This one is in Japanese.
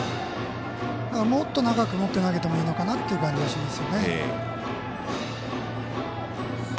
もっと長く持って投げてもいいのかなっていう感じはしますよね。